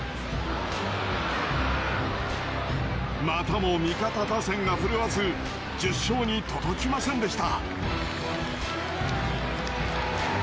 またも味方打線が振るわず１０勝に届きませんでした。